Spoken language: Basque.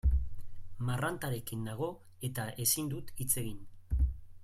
Marrantarekin nago eta ezin dut hitz egin.